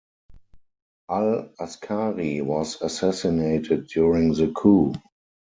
Al-Askari was assassinated during the coup.